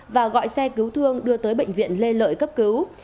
và gọi xe cứu thương đưa tới bệnh viện lê lợi cấp cứu